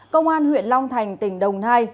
công an huyện long thành tỉnh đồng nai